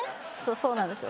そうなんですよ。